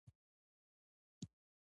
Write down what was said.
بحثونه پر خواله رسنیو روان دي.